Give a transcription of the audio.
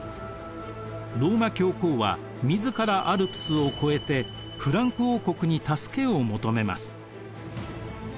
ローマ教皇は自らアルプスを越えてフランク王国に助けを求めます。